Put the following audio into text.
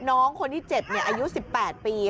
น้องคนที่เจ็บอายุ๑๘ปี